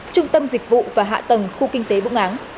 trung tâm dịch vụ và hạ tầng khu kinh tế vũng áng